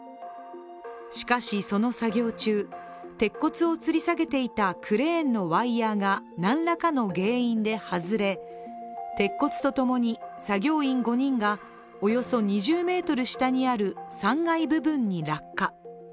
しかし、その作業中、鉄骨をつり下げていたクレーンのワイヤーが何らかの原因で外れ、鉄骨とともに作業員５人がおよそ２０ｍ下にある３階部分に落下。